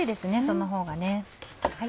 そのほうが。